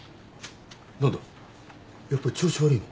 何だやっぱり調子悪いの？